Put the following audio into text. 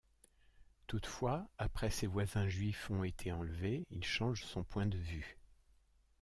Toutefois, après ses voisins juifs ont été enlevés, il change son point de vue.